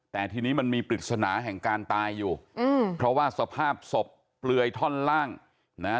แต่ทีนี้มันมีปริศนาแห่งการตายอยู่อืมเพราะว่าสภาพศพเปลือยท่อนล่างนะฮะ